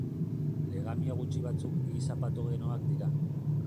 Legamia gutxi batzuk giza-patogenoak dira.